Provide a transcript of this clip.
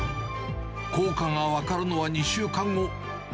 効果が分かるのは２週間後。